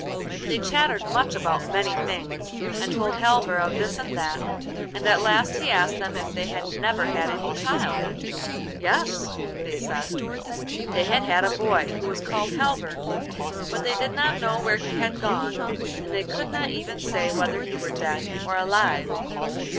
They chattered much about many things, and told Halvor of this and of that, and at last he asked them if they had never had any child. 'Yes,' they said; they had had a boy who was called Halvor, but they did not know where he had gone, and they could not even say whether he were dead or alive.